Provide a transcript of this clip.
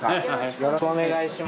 よろしくお願いします。